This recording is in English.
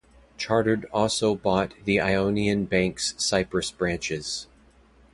Chartered also bought the Ionian Bank's Cyprus Branches.